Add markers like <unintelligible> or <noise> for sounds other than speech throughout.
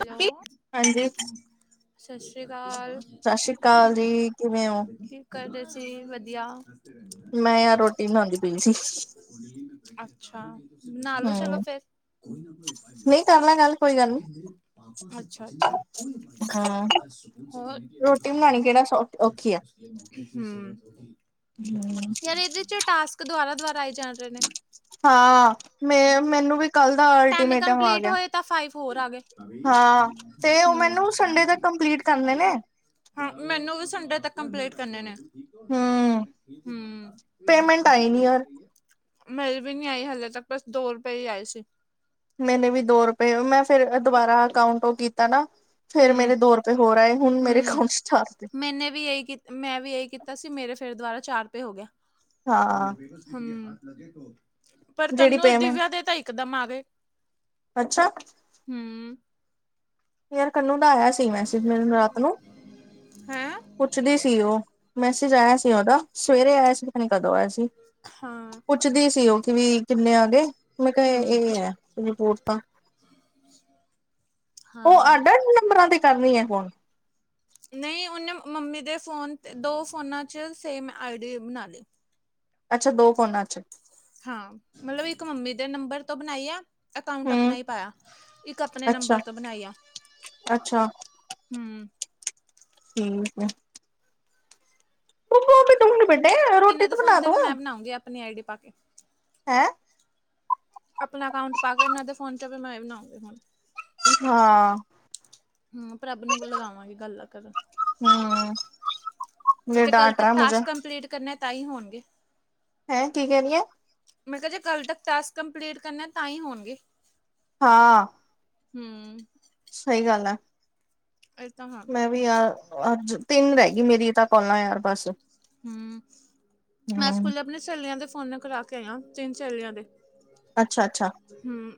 Hello. ਹਾਂਜੀ, ਸਤਿ ਸ਼੍ਰੀ ਅਕਾਲ। ਸਤਿ ਸ੍ਰੀ ਅਕਾਲ ਜੀ, ਕਿਵੇਂ ਹੋ? ਕੀ ਕਰਦੇ ਸੀ? ਵਧੀਆ ਮੈਂ ਯਾਰ ਰੋਟੀ ਬਣਾਉਂਦੀ ਪਈ ਸੀ, <inaudible> ਅੱਛਾ, ਨਹਾ ਲੋ ਚਲੋ ਹੂੰ ਫੇਰ। ਕੋਈ ਨਾ ਕੋਈ ਨਹੀਂ ਕਰ ਲੈ ਗੱਲ, ਕੋਈ ਗੱਲ ਨੀ। ਅੱਛਾ-ਅੱਛਾ ਹੋਰ ਹੂੰ, ਹਾਂ ਰੋਟੀ ਬਣਾਉਣੀ ਕਿਹੜਾ ਸੌਖ ਔਖੀ ਆ। ਯਾਰ ਇਹਦੇ ਚੋਂ ਟਾਸਕ ਦੁਬਾਰਾ-ਦੁਬਾਰਾ ਆਈ ਜਾ ਰਹੇ ਨੇ ਹਾਂ। ਮੈਂ ਮੈਨੂੰ ਵੀ ਕੱਲ ਦਾ ਟੈਨ ਅਲਟੀਮੇਟਮ ਆ ਕੰਪਲੀਟ ਗਿਆ। ਹੋਏ ਤਾਂ ਫਾਈਵ ਹੋਰ ਆ ਗਏ। ਹਾਂ ਤੇ ਉਹ ਹੂੰ ਮੈਨੂੰ ਸੰਡੇ ਤੱਕ ਕੰਪਲੀਟ ਕਰਨੇ ਨੇ, ਹਾਂ, ਮੈਨੂੰ ਵੀ ਸੰਡੇ ਤੱਕ ਕੰਪਲੀਟ ਕਰਨੇ ਨੇ। ਹੂੰ ਹੂੰ। ਪੇਮੈਂਟ ਆਈ ਨੀ ਯਾਰ। ਮੇਰੀ ਵੀ ਨੀ ਆਈ ਹਲੇ ਤੱਕ, ਬਸ ਦੋ ਰੁਪਏ ਹੀ ਆਏ ਸੀ। ਮੈਨੇ ਵੀ ਦੋ ਰੁਪਏ, ਮੈਂ ਫੇਰ ਦੁਬਾਰਾ ਅਕਾਊਂਟ ਉਹ ਕੀਤਾ ਨਾ ਫੇਰ ਹੂੰ ਮੇਰੇ ਦੋ ਰੁਪਏ ਹੋਰ ਆਏ, ਹੁਣ ਮੇਰੇ ਹੂੰ ਅਕਾਊਂਟ ਚ ਚਾਰ ਰੁਪਏ ਮੈਨੇ ਵੀ ਏਹੀ ਕੀ ਮੈਂ ਵੀ ਏਹੀ ਕੀਤਾ ਸੀ, ਮੇਰੇ ਫੇਰ ਦੁਬਾਰਾ ਚਾਰ ਰੁਪਏ ਹੋ ਗਿਆ। ਹਾਂ ਹੂੰ ਪਰ ਜਿਹੜੀ ਤਨੂੰ ਔਰ ਪੇਮੈਂਟ ਦਿਵਿਆ ਦੇ ਤਾਂ ਇਕਦਮ ਆ ਗੇ। ਅੱਛਾ। ਹੂੰ ਯਾਰ ਤਨੂੰ ਦਾ ਆਇਆ ਸੀ ਮੈਸਜ਼, ਮੈਨੂੰ ਰਾਤ ਨੂੰ ਹੈਂ। ਪੁੱਛਦੀ ਸੀ ਉਹ, ਮੈਸੇਜ ਆਇਆ ਸੀ ਉਹਦਾ, ਸਵੇਰੇ ਆਇਆ ਸੀ ਪਤਾ ਨੀ ਕਦੋਂ ਆਇਆ ਸੀ। ਹਾਂ ਪੁੱਛਦੀ ਸੀ ਉਹ, ਕਿ ਵੀ ਕਿੰਨੇ ਆ ਗਏ। ਮੈਂ ਕਿਹਾ ਹੂੰ ਇਹ ਹੀ ਹੈ। ਰਿਪੋਟ ਤਾਂ, ਉਹ ਹਾਂ ਅੱਡ-ਅੱਡ ਨੰਬਰਾਂ ਤੇ ਕਰ ਰਹੀ ਹੈ ਕੋਲ? ਨਹੀਂ ਉਹਨੇ ਮੰਮੀ ਦੇ ਫੋਨ ਤੇ, ਦੋ ਫੋਨਾਂ ਚ ਸੇਮ ਆਈ ਡੀ ਬਣਾ ਲਈ ਅੱਛਾ ਦੋ ਫੋਨਾਂ ਚ ਹੂੰ। ਮਤਲਬ ਇੱਕ ਮੰਮੀ ਦੇ ਨੰਬਰ ਤੋਂ ਬਣਾਏ ਆ ਅਕਾਊਂਟ ਅਪਣਾ ਹੂੰ ਹੀ ਪਾਇਆ, ਇੱਕ ਅਪਣੇ ਅੱਛਾ ਨੰਬਰ ਤੋਂ ਬਣਾਈ ਆ। ਅੱਛਾ ਹੂੰ। ਠੀਕ ਏ। ਉਹ ਵੀ ਦੂੰਗੀ ਬੇਟੇ ਰੋਟੀ ਤੋਂ ਬਣਾ ਦੋ ਅਪਣੀ ਆਈ ਡੀ ਪਾ ਕੇ ਹੈਂ ਆਪਣਾ ਅਕਾਊਂਟ ਪਾ ਕੇ ਇਹਨਾਂ ਦੇ ਫੋਨ ਚ ਵੀ ਮੈਂ ਬਣਾਉਂਗੀ ਹੁਣ ਹਾਂ ਹੂੰ, ਪ੍ਰੱਬ ਨੂੰ ਲਗਾਵਾਂਗੀ ਗੱਲਾਂ ਕਰਨ ਹੂੰ ਮੇਰੇ ਤੇ ਕੱਲ ਡਾਂਟ ਤੱਕ ਰਹਾ ਮੁਝੇ ਟਾਸਕ ਕੰਪਲੀਟ ਕਰਨੇ ਤਾਂ ਹੀ ਹੋਣਗੇ। ਹੈਂ, ਕੀ ਕਹਿ ਰਹੀ ਏ? ਮੈਂ ਕਿਹਾ, ਜੇ ਕੱਲ ਤੱਕ ਟਾਸਕ ਕੰਪਲੀਟ ਕਰਨੇ ਤਾਂ ਹੀ ਹੋਣਗੇ। ਹਾਂ। ਹਮ ਸਹੀ ਗੱਲ ਆ। ਇਹ ਤਾਂ ਹਾਂ ਵੀ ਯਾਰ, ਅੱਜ ਤਿੰਨ ਰਹਿ ਗਈ ਮੇਰੀਆਂ ਤਾਂ ਕੋਲਾਂ ਯਾਰ ਬਸ। ਹਮ, ਮੈਂ ਹੂੰ ਸਕੂਲੇ ਆਪਣੀ ਸਹੇਲੀਆਂ ਦੇ ਫੋਨ ਤੋਂ ਕਰਾ ਕੇ ਆਈ ਆਂ ਤਿੰਨ ਸਹੇਲੀਆਂ ਦੇ। ਅੱਛਾ, ਅੱਛਾ। ਹਮ।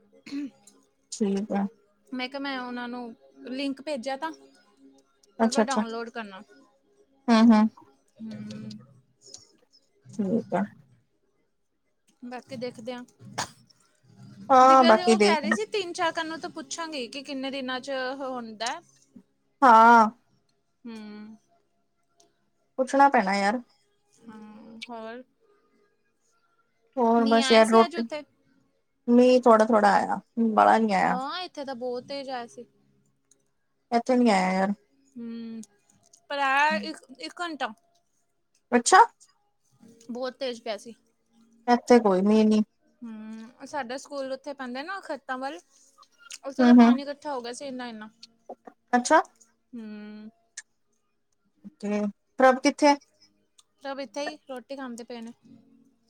ਠੀਕ ਐ। ਮੈਂ ਕਿਹਾ ਮੈਂ ਉਹਨਾਂ ਨੂੰ ਲਿੰਕ ਭੇਜਿਆ ਥਾ ਮੈਂ ਕਿਹਾ ਡਾਊਨਲੋਡ ਕਰਨਾ। ਹਮ- ਹਮ। ਹਮਮ ਠੀਕ ਐ। ਬਾਕੀ ਦੇਖਦੇ ਆਂ, ਹਾਂ ਦੀਵਿਆ ਤੇ ਬਾਕੀ ਉਹ ਕਹਿ ਦੇਖ ਰਹੀ ਸੀ ਤਿੰਨ ਚਾਰ ਦੁਕਾਨਾਂ ਤੋਂ ਪੁੱਛਾਂਗੇ ਕਿ ਕਿੰਨੇ ਦਿਨਾਂ ਚ ਹੁੰਦਾ ਹਾਂ। ਹਮ ਪੁੱਛਣਾ ਪੈਣਾ ਯਾਰ। ਹਮ ਹੋਰ। ਹੋਰ ਮੀਂਹ ਬਸ ਆਇਆ ਯਾਰ ਸੀ ਅੱਜ ਰੋਟੀ, ਉੱਥੇ ਮੀਂਹ ਥੋੜਾ-ਥੋੜਾ ਆਇਆ ਬਾਲਾ ਨੀ ਆਇਆ ਹਾਂ ਇੱਥੇ ਤਾਂ ਬਹੁਤ ਤੇਜ ਆਇਆ ਸੀ। ਇੱਥੇ ਨੀ ਆਇਆ ਯਾਰ। ਹਮ। ਪਰ ਆਇਆ ਇੱਕ, ਇੱਕ ਘੰਟਾ ਅੱਛਾ। ਬਹੁਤ ਤੇਜ਼ ਪਿਆ ਸੀ। ਇੱਥੇ ਕੋਈ ਮੀਂਹ ਨੀ ਹਮ ਸਾਡਾ ਸਕੂਲ ਉੱਥੇ ਪੈਂਦਾ ਨਾ ਖੇਤਾਂ ਵੱਲ, ਉੱਥੇ ਤਾਂ ਹੂੰ-ਹੂੰ ਪਾਣੀ ਕੱ ਇਕੱਠਾ ਹੋ ਗਿਆ ਸੀ ਇੰਨਾ- ਇੰਨਾ ਅੱਛਾ। ਹਮ। ਪ੍ਰਭ ਕਿੱਥੇ ਪ੍ਰਭ ਇੱਥੇ ਹੀ ਰੋਟੀ ਖਾਂਦੇ ਪਏ ਨੇ।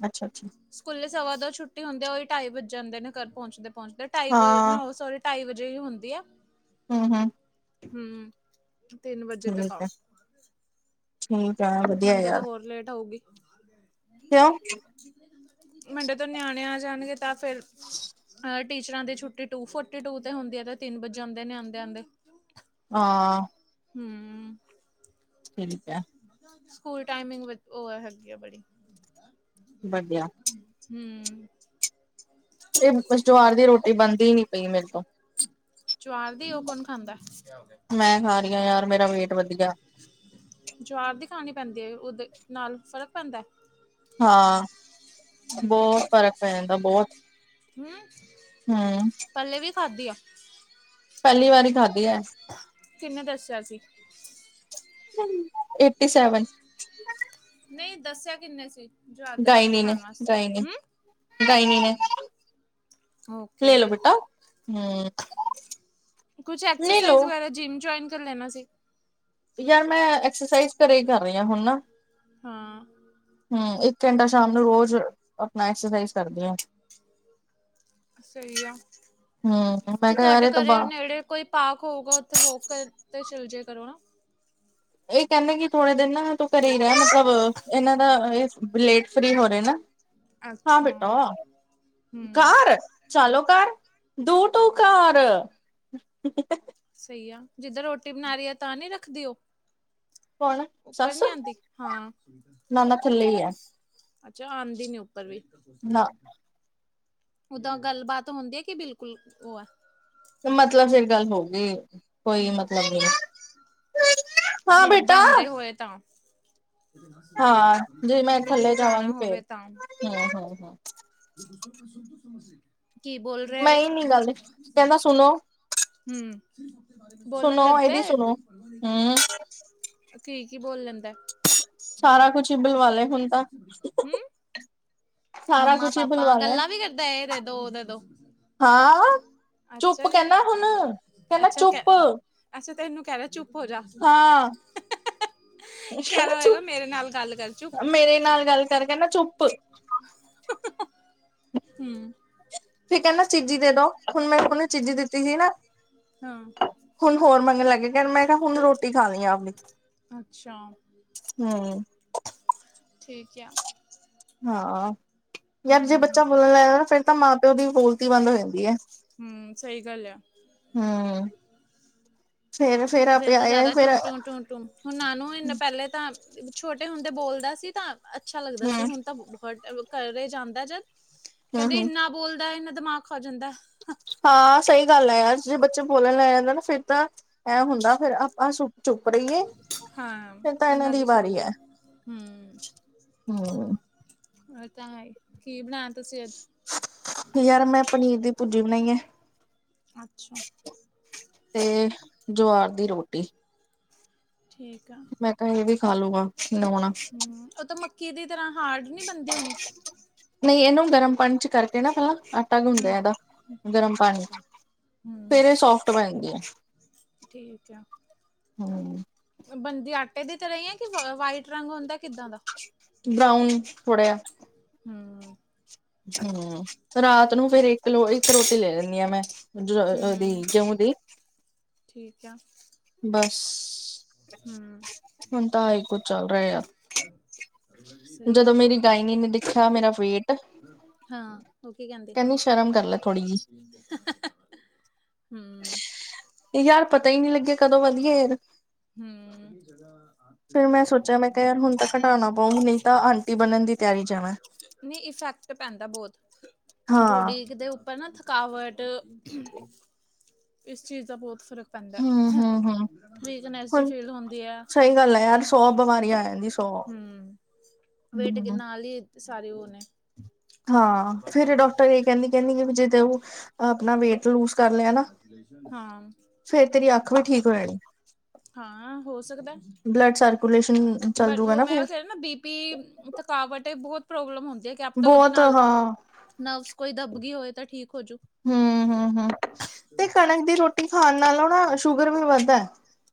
ਅੱਛਾ, ਅੱਛਾ। ਸਕੂਲੇ ਸਵਾ ਦੋ ਛੁੱਟੀ ਹੁੰਦੀ ਐ, ਉਹੀ ਢਾਈ ਵੱਜ ਜਾਂਦੇ ਨੇ ਘਰ ਪਹੁੰਚਦੇ- ਪਹੁੰਚਦੇ ਢਾਈ ਹਾਂ ਨ ਸੋਰੀ ਢਾਈ ਵਜੇ ਹੀ ਹੁੰਦੀ ਆ। ਹਮ -ਹਮ। ਹਮ, ਤਿੰਨ ਵਜੇ ਤੱਕ ਠੀਕ ਆਓ। ਆ ਠੀਕ ਏ। ਮੰਡੇ ਤੋਂ ਹੋਰ ਲੇਟ ਹੋਊਗੀ। ਕਿਉਂ। ਮੰਡੇ ਤੋਂ ਨਿਆਣੇ ਆ ਜਾਣਗੇ, ਤਾਂ ਫੇਰ ਅਹ। ਟੀਚਰਾਂ ਦੀ ਛੁੱਟੀ ਟੂ ਫੋਟੀ ਟੂ ਤੇ ਹੁੰਦੀ ਹੈ, ਤੇ ਤਿੰਨ ਵਜ ਜਾਂਦੇ ਆਉਦੇ- ਆਉਂਦੇ। ਹਾਂ। ਹਮ। ਠੀਕ ਆ ਸਕੂਲ ਟਾਈਮਿੰਗ, ਉਹ ਹੈਗੀ ਆ ਬੜੀ। ਵਧੀਆ। ਹਮ। ਇਹ ਜਵਾਰ ਦੀ ਰੋਟੀ ਬਣਦੀ ਹੀ ਨੀ ਪਈ ਮੇਰੇ ਤੋਂ। ਜਵਾਰ ਦੀ ਉਹ ਕੌਣ ਖਾਂਦਾ? ਮੈਂ ਖਾ ਰਹੀ ਹਾਂ, ਯਾਰ ਮੇਰਾ ਵੇਟ ਵਧ ਗਿਆ। ਜਵਾਰ ਦੀ ਖਾਣੀ ਪੈਂਦੀ ਹੈ ਉਹਦੇ ਨਾਲ ਫ਼ਰਕ ਪੈਂਦਾ। ਹਾਂ, ਬਹੁਤ ਫ਼ਰਕ ਪੈ ਜਾਂਦਾ ਬਹੁਤ। ਹਮ। ਹਮ ਪਹਿਲੇ ਵੀ ਖਾਧੀ ਆ। ਪਹਿਲੀ ਵਾਰੀ ਖਾਧੀ ਆ। ਕਿਨੇ ਦੱਸਿਆ ਸੀ? ਏਟੀ ਸੇਵਨ। ਨਹੀਂ ਦੱਸਿਆ ਕਿੰਨੇ ਸੀ? ਜਵਾਰ ਦੀ ਰੋਟੀ ਗਾਇਨੀ ਨੇ ਖਾਣ ਵਾਸਤੇ ਗਾਇਨੀ ਹਮ। ਗਾਇਨੀ ਨੇ ਓਕੇ ਹਮ ਕੁਛ, ਐਕਸਰਸਾਈਜ਼ ਵਗੈਰਾ, ਜਿੰਮ ਜੁਆਇਨ ਕਰ ਲੈਣਾ ਸੀ। ਯਾਰ ਮੈਂ ਐਕਸਰਸਾਈਜ਼ ਘਰੇ ਹੀ ਕਰ ਰਹੀ ਹਾਂ ਹੁਣ ਨਾ। ਹਾਂ। ਹਮ ਇੱਕ ਘੰਟਾ ਸ਼ਾਮ ਨੂੰ ਰੋਜ਼ ਆਪਣਾ ਐਕਸਰਸਾਈਜ਼ ਕਰਦੇ ਹਾਂ। ਸਹੀ ਆ, ਹੂੰ, ਮੈਂ ਤੇ ਕਿਹਾ ਯਾਰ ਤੁਹਾਡੇ ਇਹ ਤਾਂ ਬਾ ਘਰੇ ਨੇੜੇ ਕੋਈ? ਪਾਰਕ ਹੋਊਗਾ ਉੱਥੇ ਵੋਕ ਤੇ ਚਲ ਜਾਇਆ ਕਰੋ ਨਾ। ਇਹ ਕਹਿੰਦੇ ਕਿ ਥੋੜੇ ਦਿਨ ਨਾ ਤੂੰ ਘਰ ਹੀ ਇ ਰਹਿ ਮਤਲਬ ਇਹਨਾਂ ਦਾ ਇਹ ਲੇਟ ਫਰੀ ਹੋ ਰਹੇ ਨਾ। ਹਾਂ ਅੱਛਾ ਬੇਟਾ ਹੂੰ ਕਾਰ ਚਲਾ ਲਓ ਕਾਰ। Two two car. ਸਹੀ ਆ ਜਿੱਦਾਂ ਰੋਟੀ ਬਣਾ ਰਹੀ ਆ ਤਾਂ ਨਹੀਂ ਰੱਖਦੀ ਉਹ। ਕੌਣ ਬਨਨੀ ਸੱਸ ਨਹੀਂ ਆਂਦੀ ਹਾਂ। ਨਾ ਨਾ ਥੱਲੇ ਹੀ ਹੈ ਅੱਛਾ ਆਉਂਦੀ ਨੀ ਉੱਪਰ ਵੀ। ਨਾ ਉਦਾਂ ਗੱਲਬਾਤ ਹੁੰਦੀ ਹੈ ਕਿ ਬਿਲਕੁਲ ਉਹ ਹੈ। ਮਤਲਬ ਫਿਰ ਗੱਲ ਹੋ ਗਈ। ਕੋਈ ਹੂੰ ਮਤਲਬ ਨਹੀਂ ਹਾਂ ਮਤਲਬ ਬੇਟਾ। ਜਾਂਦੇ ਹੋਏ ਤਾਂ। ਹਾਂ, ਜੇ ਮੈਂ ਕਿਤੇ ਥੱਲੇ ਜਾਣਾ ਜਾਵਾਂਗੀ ਫੇਰ ਹੋਵੇ ਤਾਂ ਹਮ ਹਮ ਹਮ। ਕੀ ਬੋਲ ਰਿਹਾ ਮੈਂ ਇਹ? ਹੀ ਨੀ ਗੱਲ ਕਹਿੰਦਾ ਸੁਣੋ ਹਮ ਬੋਲਣ ਸੁਣੋ ਲੱਗ ਪਿਆ ਇਹਦੀ ਇਹ? ਸੁਣੋ ਹੂੰ ਕੀ ਕੀ ਬੋਲ ਲੈਂਦਾ ਸਾਰਾ ਕੁਛ ਹੀ ਬੁਲਵਾ ਲੈ ਹੁਣ ਤਾਂ ਹਮ? ਸਾਰਾ ਮੰਮਾ ਕੁਛ ਹੀ ਪਾਪਾ ਬੁਲਵਾ ਲੈ ਗੱਲਾਂ ਵੀ ਕਰਦਾ ਇਹਦੇ ਦੋ ਉਹ ਦੋ। ਹਾਂ ਚੁੱਪ ਅੱਛਾ ਜੀ ਕਹਿੰਦਾ ਹੁਣ ਕਹਿੰਦਾ ਅੱਛਾ ਕ। ਚੁੱਪ ਅੱਛਾ ਤੈਨੂੰ ਕਹਿ ਰਿਹਾ ਚੁੱਪ ਹੋ ਜਾ। ਹਾਂ ਕਹਿ ਕਹਿੰਦਾ ਰਿਹਾ ਹੋਏਗਾ ਚੁੱਪ ਮੇਰੇ ਨਾਲ ਗੱਲ ਕਰ ਚੁਪ। ਮੇਰੇ ਨਾਲ ਗੱਲ ਕਰਕੇ ਨਾ ਚੁੱਪ। ਹਮ ਠੀਕ ਨਾ ਚੀਜ਼ੀ ਦੇ ਦੋ ਹੁਣ ਮੈਂ ਉਹਨੂੰ ਚੀਜ਼ੀ ਦਿੱਤੀ ਸੀ ਨਾ ਹਾਂ, ਹੁਣ ਹੋਰ ਮੰਗਣ ਲੱਗੇ ਕਹਿ ਮੈਂ ਕਿਹਾ ਹੁਣ ਰੋਟੀ ਖਾ ਲਈ ਆਪਣੀ ਅੱਛਾ ਅੱਛਾ, ਹੂੰ ਠੀਕ ਹੈ ਹਾਂ ਯਾਰ ਜੇ ਬੱਚਾ ਬੋਲਣ ਲੱਗ ਜਾਂ ਨਾ ਫਿਰ ਤਾਂ ਮਾਂ ਪਿਓ ਦੀ ਬੋਲ ਬੋਲਤੀ ਬੰਦ ਹੋ ਜਾਂਦੀ ਹੈ, ਹੂੰ ਸਹੀ ਗੱਲ ਆ ਹਮ ਫ਼ਿਰ ਤਾਂ ਜ਼ਿਆਦਾ ਫੇਰ ਟੂੰ- ਟੂੰ -ਟੂੰ- ਟੂੰ ਹੁਣ ਨਾਨੂੰ ਇਹਨ ਪਹਿਲੇ ਤਾਂ ਛੋਟੇ ਹੁੰਦੇ ਬੋਲਦਾ ਸੀ ਤਾਂ ਅੱਛਾ ਲੱਗਦਾ ਹੂੰ ਸੀ ਹੁਣ ਤਾਂ ਬਹੁਤ ਘਰ ਜਾਂਦਾ ਜਦ, ਹੂੰ ਕਹਿੰਦੇ ਹੂੰ ਇੰਨਾ ਬੋਲਦਾ ਇਹਨਾ ਦਿਮਾਗ ਖਾ ਜਾਂਦਾ ਹਾਂ ਸਹੀ ਗੱਲ ਹੈ ਯਾਰ, ਜੇ ਬੱਚੇ ਬੋਲਣ ਲੈ ਜਾਂਦੇ ਨਾ ਫਿਰ ਤਾਂ ਐ ਹੁੰਦਾ ਫਿਰ ਚੁੱਪ ਰਹੀ, ਫਿਰ ਤਾਂ ਇਹਨਾਂ ਦੀ ਵਾਰੀ ਹੈ ਹੂੰ ਇਹ ਤਾਂ ਹੈ ਕੀ ਬਣਾਇਆ ਤੁਸੀਂ ਅੱਜ ਯਾਰ ਮੈਂ ਪਨੀਰ ਦੀ ਭੁਰਜੀ ਬਣਾਈਏ ਅੱਛਾ ਤੇ ਜਵਾਰ ਦੀ ਰੋਟੀ ਠੀਕ ਆ, ਮੈਂ ਕਿਹਾ ਇਹ ਵੀ ਖਾ ਲੂਗਾ ਨਵਾਉਣਾ ਹੂੰ ਉਹ ਤਾਂ ਮ ਮੱਕੀ ਦੀ ਤਰ੍ਹਾਂ ਹਾਰਡ ਨਹੀਂ ਬਣਦੀ ਹੋਣੀ ਨਹੀਂ ਇਹਨੂੰ ਗਰਮ ਪਾਣੀ ਚ ਕਰਕੇ ਨਾ ਪਹਿਲਾਂ ਆਟਾ ਗੁਣਦੇ ਹਾਂ ਹੂੰ ਇਹਦਾ, ਗਰਮ ਪਾਣੀ ਅੱਛਾ ਚ, ਹੂੰ ਫੇਰ ਇਹ ਸੋਫਟ ਬਣਦੀ ਆ ਠੀਕ ਆ ਹਾਂਜੀ ਬਣਦੀ ਆਟੇ ਦੀ ਤਰ੍ਹਾਂ ਹੀ ਹੈ ਕਿ ਵਾਈਟ ਰੰਗ ਹੁੰਦਾ ਕਿੱਦਾਂ ਦਾ ਬਰਾਊਨ ਥੋੜਾ ਆ ਹੂੰ ਹੂੰ, ਰਾਤ ਨੂੰ ਫੇਰ ਇੱਕ ਇੱਕ ਰੋਟੀ ਲੈ ਲਈ ਆ ਮੈਂ ਦੀ ਹੂੰ ਜੋਂਉ ਦੀ ਠੀਕ ਆ ਬਸ, ਹੂੰ ਹੁਣ ਤਾਂ ਹ ਹੀ ਕੁਝ ਚੱਲ ਰਿਹਾ ਹਮ <inaudible> ਜਦੋਂ ਮੇਰੀ ਗਾਇਨੀ ਨੇ ਦੇਖਿਆ ਮੇਰਾ ਵੇਟ ਹਾਂ ਉਹ ਕੀ ਕਹਿੰਦੇ ਕਹਿੰਦੀ ਸ਼ਰਮ ਕਰ ਹੈ ਲੈ ਥੋੜ੍ਹੀ ਹੂੰ ਯਾਰ ਪਤਾ ਹੀ ਨਹੀਂ ਲਗਿਆ ਕਦੋਂ ਵਧੀਆ ਯਾਰ ਹੂੰ ਆਪ ਹੀ ਜਗ੍ਹਾ ਆਪ ਕੇ ਫਿਰ ਮੈਂ ਨਾਮ ਦੀ ਸੋਚਿਆ ਮੈਂ ਕਿਹਾ ਯਾਰ ਰਿਕਮੈਂਡੇਸ਼ਨ ਹੁਣ ਤਾਂ ਦੀ ਘਟਾਉਣਾ ਪਊ ਨਹੀਂ ਤਾਂ ਆਂਟੀ ਬਣਨ ਦੀ ਤਿਆਰੀ ਚਾ ਮੈਂ ਨਹੀਂ ਇਫੈਕਟ ਪੈਂਦਾ ਬਹੁਤ, ਹਾਂ ਬੋਡੀ ਦੇ ਉੱਪ ਪਰ ਥਕਾਵਟ, ਇਸ ਚੀਜ਼ ਦਾ ਬਹੁਤ ਫ਼ਰਕ ਪੈਂਦਾ ਹੂੰ ਹੂੰ ਹੂੰ ਵੀਕਨਸ ਜਿਹੀ ਹੁਣ ਫੀਲ ਹੁੰਦੀ ਆ ਸਹੀ ਗੱਲ ਹੈ ਯਾਰ ਸੌ ਬਿਮਾਰੀਆਂ ਆ ਜਾਂਦੀ ਸੌ ਹੂੰ, ਵੇਟ ਕੇ ਹੂੰ ਨਾਲ ਹੀ ਸਾਰੇ ਉਹਨੇ ਹਾਂ ਫਿਰ ਡਾਕਟਰ ਇਹ ਕਹਿੰਦੀ, ਕਹਿੰਦੀ ਵੀ ਜਦੋ ਉਹ ਆਪਣਾ ਵੇਟ ਲੂਜ ਕਰ ਲਿਆ ਨਾ ਹਾਂ ਫੇਰ ਤੇਰੀ ਅੱਖ ਵੀ ਠੀਕ ਹੋ ਜਾਣੀ ਹਾਂ ਹੋ ਸਕਦਾ, ਬਲੱਡ ਸਰਕੂਲੇਸ਼ਨ ਚੱਲ ਪਰ ਜੂਗਾ ਉਹ ਨਾ ਮੈਂ ਫਿਰ ਉਹ ਕਹਿ ਬੀ ਵੀ ਥਕਾਵਟ ਬਹੁਤ ਪ੍ਰੋਬਲਮ ਹੁੰਦੀ ਹੈ ਕਿ ਪਤਾ ਉਹਦੇ ਬਹੁਤ ਨਾਲ ਹਾਂ ਨਵਸ ਕੋਈ ਦੱਬ ਗਈ ਹੋਏ ਤਾਂ ਠੀਕ ਹੋਜੂ ਹੂੰ- ਹੂੰ, ਤੇ ਕਣਕ ਦੀ ਰੋਟੀ ਖਾਣ ਨਾਲੋਂ ਨਾ ਸ਼ੂਗਰ ਵੀ ਵੱਧਦਾ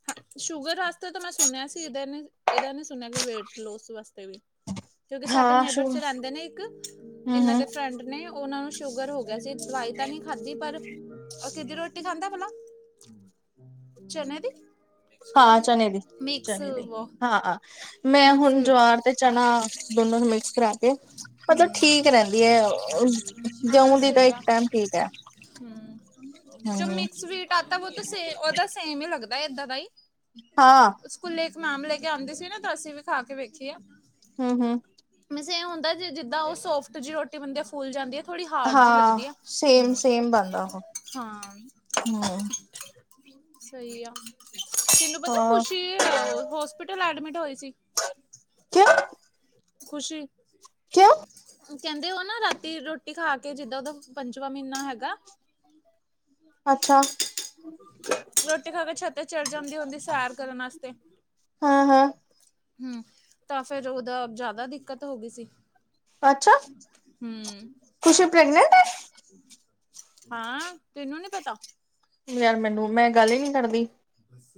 ਹ ਸ਼ੂਗਰ ਵਾਸਤੇ ਤਾਂ ਮੈਂ ਸੁਣਿਆ ਸੀ ਇਹਦਾ ਨਹੀਂ ਇਹਦਾ ਨੀ ਸੁਣਿਆ ਕਿ ਵੇਟ ਲੋਸ ਵਾਸਤੇ ਵੀ ਹੈ ਕਿਉਂਕਿ ਸਾਡੇ ਹਾਂ ਨੇਬਰ ਸ਼ੂ ਚ ਰਹਿੰਦੇ ਨੇ ਇੱਕ ਹੂੰ ਇਹਨਾਂ ਹੂੰ ਦੇ ਫਰੈਂਡ ਨੇ ਉਹਨਾਂ ਨੂੰ ਸ਼ੂਗਰ ਹੋ ਗਈ ਵੈਸੇ ਦਵਾਈ ਤਾਂ ਨਹੀ ਖਾਂਧੀ ਪਰ ਉਹ ਕੀਦੀ ਰੋਟੀ ਖਾਂਦਾ ਭਲਾ ਚਨੇ ਦੀ ਹਾਂ ਚਨੇ ਦੀ, ਮਿਕਸ ਚਨੇ ਦੀ, ਵੋ ਹਾਂ ਮੈਂ ਮਿਕਸ ਹੁਣ ਵੀਟ ਜਵਾਰ ਤੇ ਚਨਾ, ਦੋਨੋ ਨੂੰ ਮਿਕਸ ਕਰਾ ਕੇ, ਮਤਲਬ ਠੀਕ ਹਮ ਰਹਿੰਦੀ ਹੈ, ਜਉਂ ਦੀ ਤਾਂ ਇੱਕ ਟਾਈਮ ਠੀਕ ਹੈ। ਹੂ, ਜੋ ਹੂੰ ਮਿਕਸ ਵੀਟ ਆਤਾ, ਵੋ ਤੋ ਸੇ, ਔ ਦਸ ਸੇਮ ਹੀ ਲੱਗਦਾ, ਏਦਾਂ ਦਾ ਹੀ ਹਾਂ ਸਕੂਲੇ ਇੱਕ ਮੈਡਮ ਲੈ ਕੇ ਆਉਂਦੀ ਸੀ ਨਾ, ਤਾਂ ਅਸੀਂ ਵੀ ਖਾ ਕੇ ਵੇਖੀ ਏ ਹੂੰ ਹੂੰ ਵੈਸੇ ਇਹ ਹੁੰਦਾ, ਜੇ ਜਿੱਦਾਂ ਉਹ ਸੋਫਟ ਜ ਤੇ ਬਣਦੇਯਾ ਫੁੱਲ ਜਾਂਦੀ ਐ, ਥੋੜ੍ਹੀ ਹਾਰਡ ਜੀ ਹਾਂ ਲੱਗਦੀ ਆ, ਸੇਮ ਹੂੰ ਸੇਮ ਬਣਦਾ ਉਹ ਹਾਂ ਹੂੰ ਸਹੀ ਆ, ਤੈਨੂੰ ਪਤਾ ਹਾਂ ਖ਼ੁਸ਼ੀ ਹੈ ਹੋਸਪਿਟਲ ਐਡਮਿਟ ਹੋਏ ਸੀ। ਕਿਉਂ ਖੁਸ਼ੀ ਕਿਉਂ ਕਹਿੰਦੇ ਉਹ ਨਾ ਰਾਤੀ ਰੋਟੀ ਖਾ ਕੇ, ਜਿੱਦਾਂ ਉਹਦਾ ਪੰਜਵਾਂ ਮਹੀਨਾ ਹੈਗਾ। ਅੱਛਾ। ਰੋਟੀ ਖਾ ਕੇ ਛੱਤੇ ਚੜ ਜਾਂਦੀ ਹੁੰਦੀ, ਸੈਰ ਕਰਨ ਵਾਸਤੇ ਹਾਂ, ਹਾਂ ਹੂ, ਤਾਂ ਫਿਰ ਉਹਦਾ, ਜ਼ਿਆਦਾ ਦਿੱਕਤ ਹੋ ਗਈ ਸੀ। ਅੱਛਾ ਹੁ ਖੁਸ਼ੀ ਪ੍ਰੈਗਨੈਂਟ ਹਾਂ ਤੈਨੂੰ ਨੀ ਪਤਾ ਯਾਰ ਮੈਨੂੰ, ਮੈਂ ਗੱਲ ਹੀ ਨੀ ਕਰਦੀ।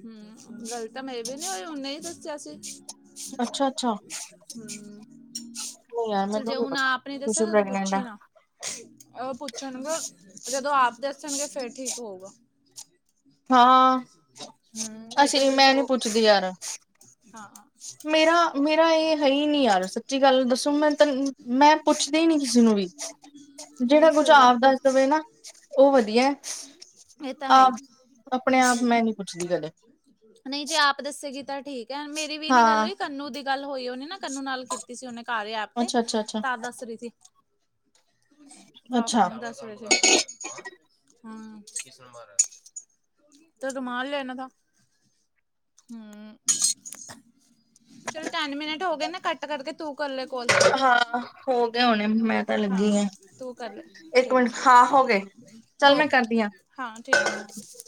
ਹੂ, ਗਲ ਤਾਂ ਮੇਰੀ ਵੀ ਨੀ ਹੋਈ, ਉਹਨੇ ਹੀ ਦੱਸਿਆ ਸੀ। ਅੱਛਾ-ਅੱਛਾ ਹੂ, ਨਹੀਂ ਯਾਰ ਚਲ ਮੈਨੂੰ ਜੇ ਨੀ ਉਹੁਨੇ ਪਤਾ ਆਪ ਨਹੀ ਦੱਸਿਆ, ਤੁਸੀਂ ਤੇ ਉਹ ਤੂੰ ਪ੍ਰੈਗਨੈਂਟ ਆ ਪੁੱਛੀ ਨਾ ਉਹ ਪੁੱਛਣ ਗੇ, ਜਦੋਂ ਆਪ ਦੱਸਣਗੇ ਫੇਰ ਠੀਕ ਹੋਊਗਾ। ਹਾਂ ਹੂੰ ਨਹੀਂ ਤਾਂ ਅਸੀਂ ਫਿਰ ਤਾਂ ਮੈਂ ਨੀ ਉਹ ਪੁੱਛਦੀ ਯਾਰਾ, ਹਾਂ ਮੇਰਾ ਮੇਰਾ ਇਹ ਹੈ ਹੀ ਨੀ ਯਾਰ, ਸੱਚੀ ਗੱਲ ਦੱਸੁ ਮੈਂ ਮੈਂ ਪੁੱਛਦੀ ਹੀ ਨੀ ਕਿਸੇ ਨੂੰ ਵੀ, ਨਹੀਂ ਜਿਨੂੰ ਪੁਛੋ ਸਹੀ ਆਪਦਾ ਵੇਖ ਨਾ, ਉਹ ਵਧੀਆ। ਏ ਤਾ ਹੈ ਈ ਆਪ ਆਪਣੇ ਆਪ ਮੈਂ ਨੀ ਪੁੱਛਦੀ ਕਦੇ ਨਹੀਂ ਜੇ ਆਪ ਦੱਸੇਗੀ ਤਾਂ ਠੀਕ ਹੈ, ਮੇਰੀ ਵੀ ਨੀ ਗੱਲ ਹਾਂ ਹੋਈ। ਕੰਨੂੰ ਦੀ ਗੱਲ ਹੋਈ ਹੋਣੀ ਨਾ ਕੰਨੂੰ ਨਾਲ ਕੀਤੀ ਸੀ ਉਹਨੇ ਕਾਰਯ ਐਪ ਤੇ, ਅੱਛਾ-ਅੱਛਾ-ਅੱਛਾ ਅੱਛਾ ਤਾਂ ਦੱਸ ਰਹੀ ਸੀ। ਅੱਛਾ <unintelligible> ਕਿਸ ਨੇ ਮਾਰਾ ਹੈ, ਤਾ ਰੁਮਾਲ ਲੈਨਾ ਥਾ ਹੁ ਚਲੋ ਟੈਨ ਮਿੰਟ ਹੋ ਗਏ ਨਾ ਕੱਟ ਕਰਕੇ ਤੂੰ ਕਰ ਲੈ ਕੋਲ ਹਾਂ ਹੋ ਗਏ ਹੁਣੇ, ਮੈਂ ਤਾਂ ਲੱਗੀ ਹਾਂ ਆਂ ਤੂੰ ਕਰ ਇੱਕ ਮਿੰਟ, ਹਾਂ ਹੋ ਗਏ। ਚੱਲ ਔ ਮੈਂ ਕੇ, ਕਰਦੀ ਆ ਹਾਂ ਠੀਕ।